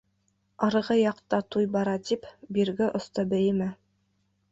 Арғы яҡта туй бара тип, бирге оста бейемә.